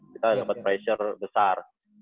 kita dapet pressure besar